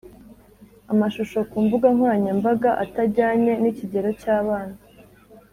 amashusho ku mbuga nkoranyambaga atajyanye n ikigero cy abana